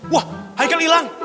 wah haikal hilang